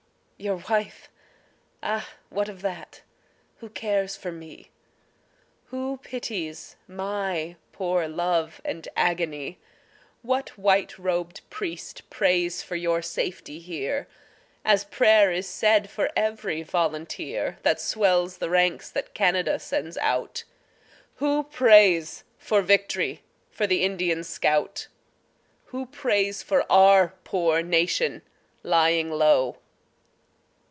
Your wife? Ah, what of that, who cares for me? Who pities my poor love and agony? What white robed priest prays for your safety here, As prayer is said for every volunteer That swells the ranks that Canada sends out? Who prays for vict'ry for the Indian scout? Who prays for our poor nation lying low?